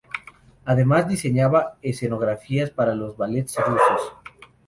Además, diseñaba escenografías para los ballets rusos.